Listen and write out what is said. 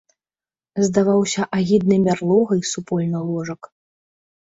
Здаваўся агіднай мярлогай супольны ложак.